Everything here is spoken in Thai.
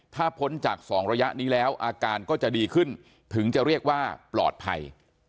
ถ้าพ้นจาก๒ระยะนี้แล้วอาการก็จะดีขึ้นถึงจะเรียกว่าปลอดภัย